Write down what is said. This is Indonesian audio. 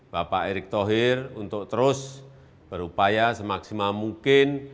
bapak erick thohir untuk terus berupaya semaksimal mungkin